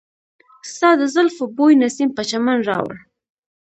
ستا د زلفو بوی نسیم په چمن راوړ.